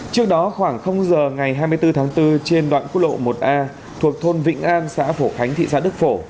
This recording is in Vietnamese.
trước đó khoảng giờ ngày hai mươi bốn tháng bốn trên đoạn quốc lộ một a thuộc thôn vĩnh an xã phổ khánh thị xã đức phổ